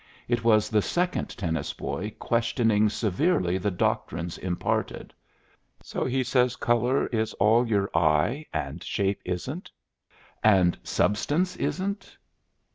It was the second tennis boy questioning severely the doctrines imparted. "So he says color is all your eye, and shape isn't? and substance isn't?"